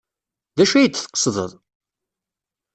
D acu ay d-tqesdeḍ?